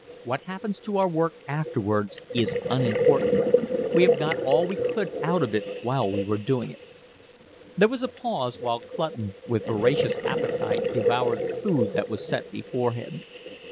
What happens to our work afterwards is unimportant; we have got all we could out of it while we were doing it." There was a pause while Clutton with voracious appetite devoured the food that was set before him.